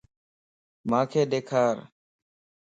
مانک ڏيکار